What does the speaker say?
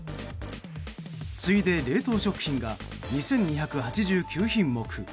次いで冷凍食品が２２８９品目